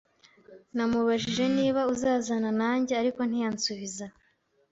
Namubajije niba uzazana nanjye, ariko ntiyansubiza.